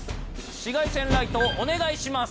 紫外線ライトをお願いします。